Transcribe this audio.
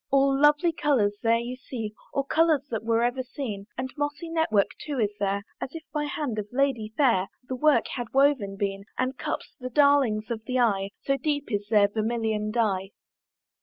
All lovely colours there you see, All colours that were ever seen, And mossy network too is there, As if by hand of lady fair The work had woven been, And cups, the darlings of the eye, So deep is their vermilion dye.